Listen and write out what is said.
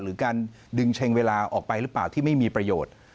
หรือการดึงเช็งเวลาออกไปหรือเปล่าที่ไม่มีประโยชน์